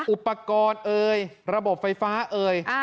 อุปกรณ์เอ่ยระบบไฟฟ้าเอ่ย